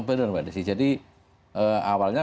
benar mbak desi jadi awalnya